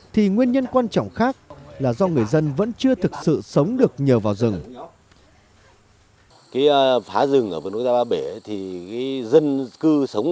thì nguyên nhân quan trọng khác là do người dân vẫn chưa thực sự sống được nhờ vào rừng